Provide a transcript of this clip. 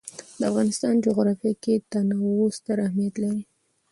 د افغانستان جغرافیه کې تنوع ستر اهمیت لري.